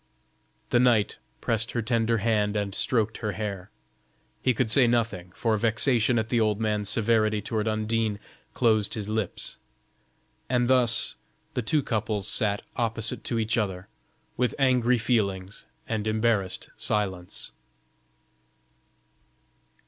The knight pressed her tender hand and stroked her hair. He could say nothing, for vexation at the old man's severity toward Undine closed his lips: and thus the two couples sat opposite to each other, with angry feelings and embarrassed silence.